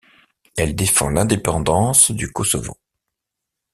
Elle défend l'indépendance du Kosovo.